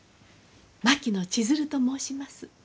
槙野千鶴と申します。